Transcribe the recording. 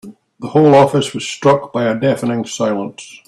The whole office was struck by a deafening silence.